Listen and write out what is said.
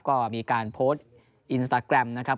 ก็มีการโพสต์อินสตาแกรมนะครับ